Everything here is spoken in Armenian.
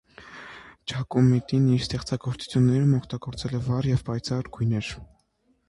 Ջակոմետին իր ստեղծագործություններում օգտագործել է վառ և պայծառ գույներ։